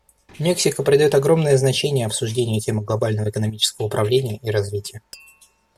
Мексика придает огромное значение обсуждению темы глобального экономического управления и развития.